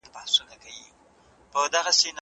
!شپېلۍ